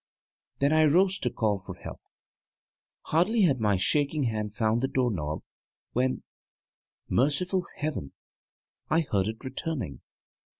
Then I rose to call for help. Hardly had my shaking hand found the door knob when merciful heaven! I heard it returning.